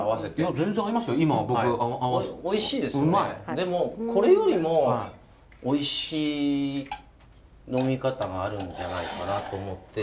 でもこれよりもおいしい飲み方があるんじゃないかなと思って。